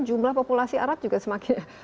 jumlah populasi arab juga semakin